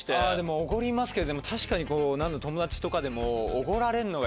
おごりますけど確かに友達とかでも。